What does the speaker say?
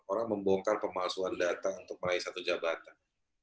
orang membongkar pemalsuan datang untuk melayu satu jabatan